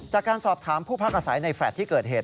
จากการสอบถามผู้พักอาศัยในแฟลต์ที่เกิดเหตุ